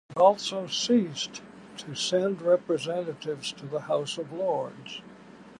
It also ceased to send representatives to the House of Lords.